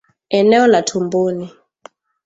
eneo la tumboni